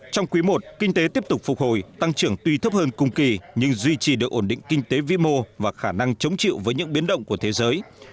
trong quý i kinh tế tiếp tục phục hồi tăng trưởng tuy thấp hơn cùng kỳ nhưng duy trì được ổn định kinh tế vĩ mô và khả năng chống chịu với những biến động của thế giới